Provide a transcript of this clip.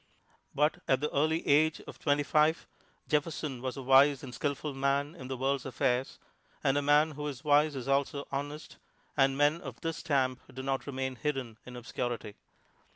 But at the early age of twenty five, Jefferson was a wise and skilful man in the world's affairs (and a man who is wise is also honest), and men of this stamp do not remain hidden in obscurity.